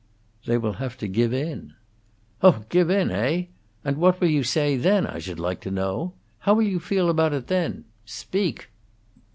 "They will have to give in." "Oh, give in, heigh! And what will you say then, I should like to know? How will you feel about it then? Speak!"